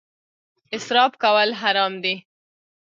اسراف کول حرام دي